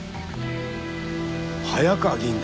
早川議員だ！